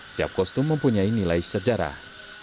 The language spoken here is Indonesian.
setiap kostum mempunyai nilai sejarah